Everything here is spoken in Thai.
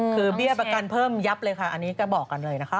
คือเบี้ยประกันเพิ่มยับเลยค่ะอันนี้ก็บอกกันเลยนะคะ